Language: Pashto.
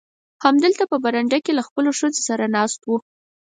همدلته په برنډه کې له خپلو ښځو سره ناست و.